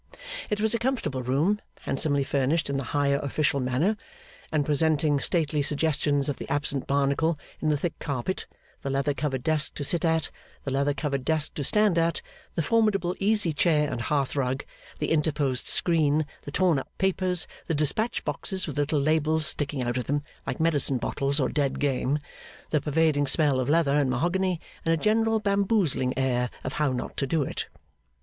It was a comfortable room, handsomely furnished in the higher official manner; and presenting stately suggestions of the absent Barnacle, in the thick carpet, the leather covered desk to sit at, the leather covered desk to stand at, the formidable easy chair and hearth rug, the interposed screen, the torn up papers, the dispatch boxes with little labels sticking out of them, like medicine bottles or dead game, the pervading smell of leather and mahogany, and a general bamboozling air of How not to do it.